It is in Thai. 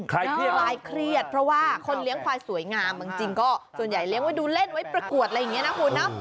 ควายเครียดเพราะว่าคนเลี้ยงควายสวยงามบางจริงก็ส่วนใหญ่เลี้ยงไว้ดูเล่นไว้ประกวดอะไรอย่างนี้นะคุณเนาะ